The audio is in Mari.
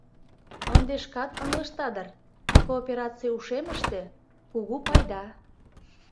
Ынде шкат ыҥлышда дыр: коопераций ушемыште — кугу пайда.